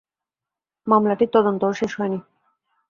মামলাটির তদন্তও শেষ হয়নি।